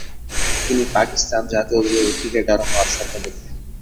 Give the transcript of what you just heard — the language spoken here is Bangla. তিনি পাকিস্তান জাতীয় দলের ক্রিকেটার হওয়ার স্বপ্ন দেখতেন।